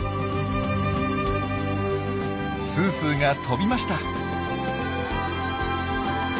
すーすーが飛びました。